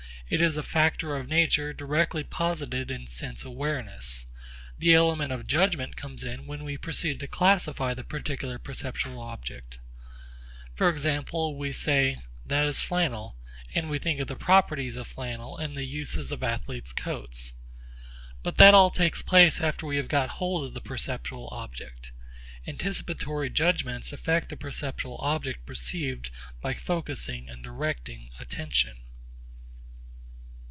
It is a factor of nature directly posited in sense awareness. The element of judgment comes in when we proceed to classify the particular perceptual object. For example, we say, That is flannel, and we think of the properties of flannel and the uses of athletes' coats. But that all takes place after we have got hold of the perceptual object. Anticipatory judgments affect the perceptual object perceived by focussing and diverting attention.